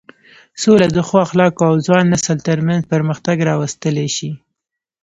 سوله د ښو اخلاقو او ځوان نسل تر منځ پرمختګ راوستلی شي.